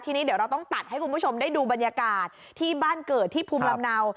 ทีนี้เดี๋ยวเราต้องตัดให้คุณผู้ชมได้ดูบรรยากาศที่บ้านเกิดที่ภูมิลำเนา